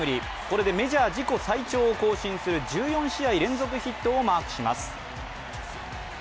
これでメジャー自己最長を更新する１４試合連続ヒットをマークします。